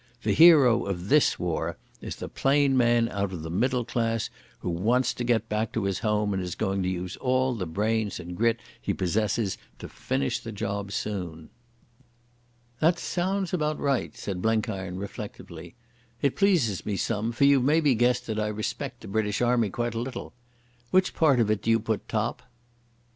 The hero of this war is the plain man out of the middle class, who wants to get back to his home and is going to use all the brains and grit he possesses to finish the job soon." "That sounds about right," said Blenkiron reflectively. "It pleases me some, for you've maybe guessed that I respect the British Army quite a little. Which part of it do you put top?"